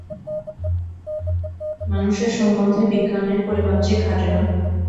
মানুষের সম্বন্ধে বিজ্ঞানের পরিমাপ যে খাটে না।